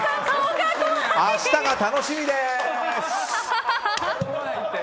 明日が楽しみです。